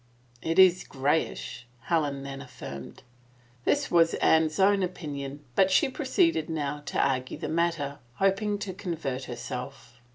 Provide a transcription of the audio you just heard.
" It is grayish," Helen then affirmed. This was Anne's own opinion but she proceeded now to argue the matter, hoping to convert herself.